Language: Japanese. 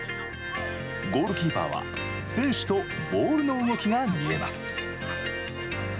ゴールキーパーは選手とボールの動きが見えます。